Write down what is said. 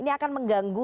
ini akan mengganggu